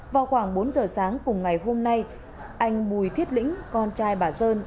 vào khoảng bốn giờ sáng cùng ngày hôm nay anh bùi thiết lĩnh con trai bà sơn